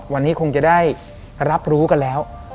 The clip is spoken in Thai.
วันนี้คงจะได้รับรู้กันแล้ว